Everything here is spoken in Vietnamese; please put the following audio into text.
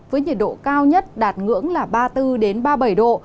với nhiệt độ cao nhất đạt ngưỡng là ba mươi bốn ba mươi bảy độ